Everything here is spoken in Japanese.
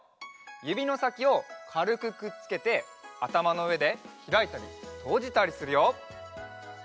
ゆびのさきをかるくくっつけてあたまのうえでひらいたりとじたりするよ。